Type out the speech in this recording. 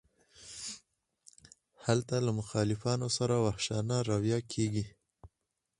هلته له مخالفانو سره وحشیانه رویه کیږي.